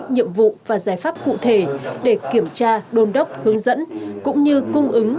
nhiệm vụ và giải pháp cụ thể để kiểm tra đôn đốc hướng dẫn cũng như cung ứng